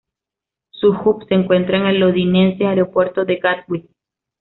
Su hub se encuentra en el londinense Aeropuerto de Gatwick.